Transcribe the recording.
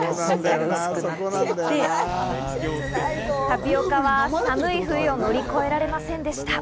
タピオカは寒い冬を乗り越えられませんでした。